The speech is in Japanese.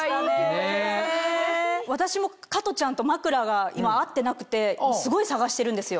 私も加トちゃんと枕が今合ってなくてすごい探してるんですよ。